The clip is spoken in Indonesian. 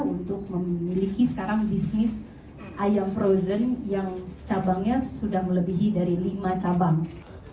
untuk memiliki sekarang bisnis ayam frozen yang cabangnya sudah melebihi dari lima cabang